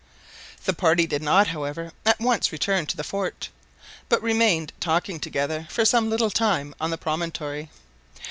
The party did not, however, at once return to the fort, but remained talking together for some little time on the promontory.